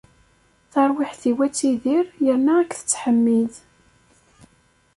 Tarwiḥt-iw ad tidir yerna ad k-tettḥemmid.